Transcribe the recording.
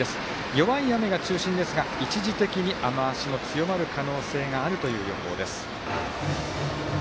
弱い雨が中心ですが、一時的に雨足の強まる可能性があるという予報です。